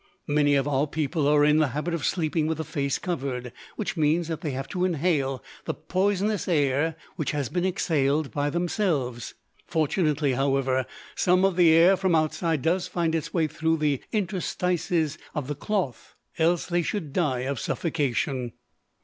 Many of our people are in the habit of sleeping with the face covered, which means that they have to inhale the poisonous air which has been exhaled by themselves. Fortunately however, some of the air from outside does find its way through the interstices of the cloth, else they should die of suffocation.